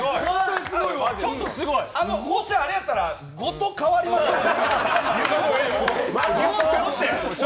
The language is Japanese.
もしあれやったら、ごと代わりましょうか。